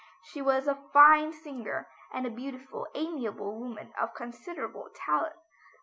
She was a fine singer, and a beautiful, amiable woman of considerable talent.